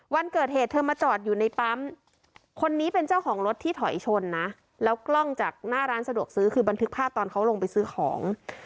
วันเกิดเหตุเธอมาจอดอยู่ในปั๊มคนนี้เป็นเจ้าของรถที่ถอยชนนะแล้วกล้องจากหน้าร้านสะดวกซื้อคือบันทึกภาพตอนเขาลงไปซื้อของ